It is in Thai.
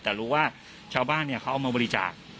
แต่รู้ว่าชาวบ้านเขาเอามาบริจาค